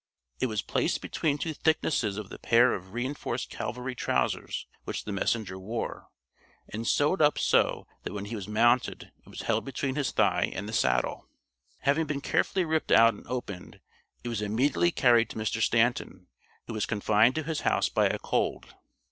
It was placed between two thicknesses of the pair of re enforced cavalry trousers which the messenger wore, and sewed up so that when he was mounted it was held between his thigh and the saddle. Having been carefully ripped out and opened, it was immediately carried to Mr. Stanton, who was confined to his house by a cold.